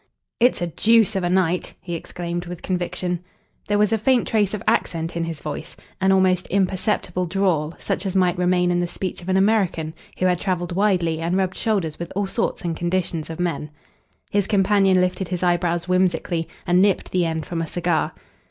"It's a deuce of a night," he exclaimed with conviction. There was a faint trace of accent in his voice an almost imperceptible drawl, such as might remain in the speech of an American who had travelled widely and rubbed shoulders with all sorts and conditions of men. His companion lifted his eyebrows whimsically and nipped the end from a cigar.